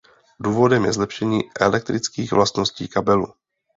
Důvodem je zlepšení elektrických vlastností kabelu.